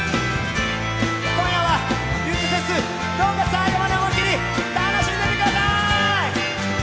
今夜はゆずフェス、どうか最後まで思いっきり楽しんでくださーい。